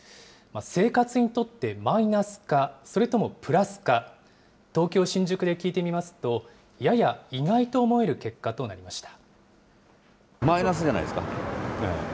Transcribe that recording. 生活にとってマイナスか、それともプラスか、東京・新宿で聞いてみますと、やや意外と思える結果となりました。